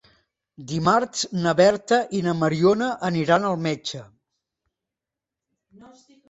Dimarts na Berta i na Mariona aniran al metge.